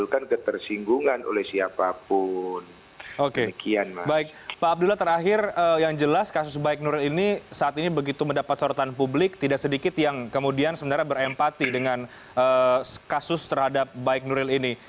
kasus baik nuril ini saat ini begitu mendapat sorotan publik tidak sedikit yang kemudian sebenarnya berempati dengan kasus terhadap baik nuril ini